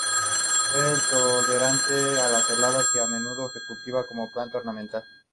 Es tolerante a las heladas y a menudo se cultiva como planta ornamental.